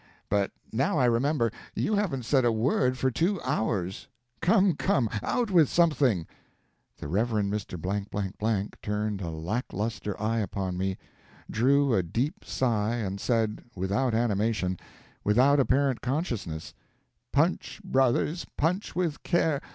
But now I remember, you haven't said a word for two hours. Come, come, out with something!" The Rev. Mr. turned a lack lustre eye upon me, drew a deep sigh, and said, without animation, without apparent consciousness: "Punch, brothers, punch with care!